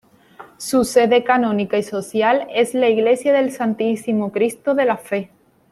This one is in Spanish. Su sede canónica y social es la Iglesia del Santísimo Cristo de la Fe.